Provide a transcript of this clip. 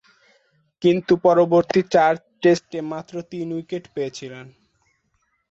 কিন্তু পরবর্তী চার টেস্টে মাত্র তিন উইকেট পেয়েছিলেন।